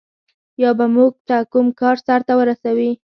یا به موږ ته کوم کار سرته ورسوي.